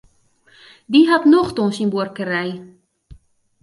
Dy hat nocht oan syn buorkerij.